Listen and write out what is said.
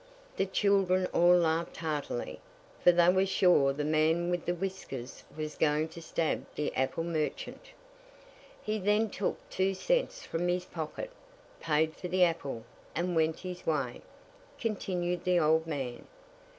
The children all laughed heartily, for they were sure the man with the whiskers was going to stab the apple merchant. "He then took two cents from his pocket, paid for the apple, and went his way," continued the old man.